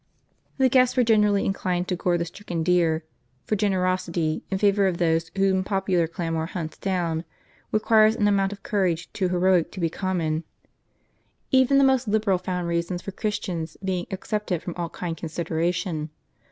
The guests were generally inclined to gore the stricken deer; for generosity, in favor of those whom popular clamor hunts down, requires an amount of courage too heroic to be common. Even the most liberal found reasons for Christians being excepted from all kind consideration.